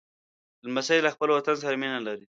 لمسی له خپل وطن سره مینه لري.